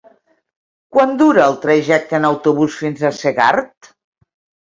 Quant dura el trajecte en autobús fins a Segart?